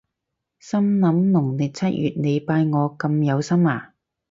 心諗農曆七月你拜我咁有心呀？